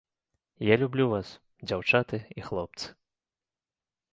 Я люблю вас, дзяўчаты і хлопцы.